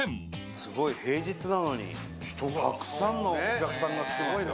すごい、平日なのに、たくさんのお客さんが来てますよ。